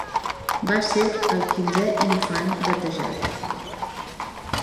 Va ser el quinzè infant batejat.